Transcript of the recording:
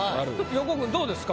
横尾君どうですか？